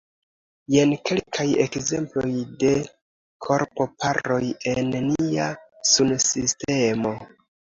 Jen kelkaj ekzemploj de korpo-paroj en nia sunsistemo.